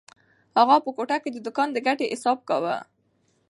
اغا په کوټه کې د دوکان د ګټې حساب کاوه.